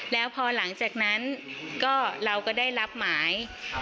แล้วพอหลังจากนั้นเราก็ได้รับหมาย